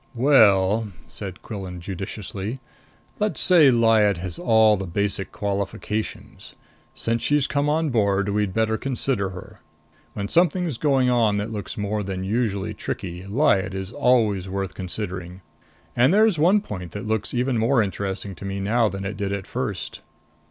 Well," said Quillan judiciously, "let's say Lyad has all the basic qualifications. Since she's come on board, we'd better consider her. When something's going on that looks more than usually tricky, Lyad is always worth considering. And there's one point that looks even more interesting to me now than it did at first."